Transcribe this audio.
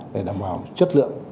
để đảm bảo chất lượng